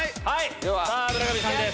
さあ、村上さんです。